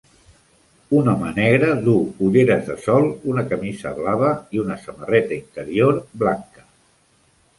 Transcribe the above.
Un home negre duu ulleres de sol, una camisa blava i una samarreta interior blanca.